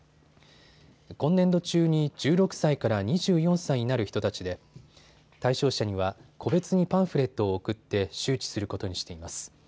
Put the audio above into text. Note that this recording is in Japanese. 今年度中に１６歳から２４歳になる人たちで対象者には個別にパンフレットを送って周知することにしています。